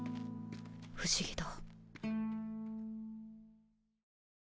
不思議だ。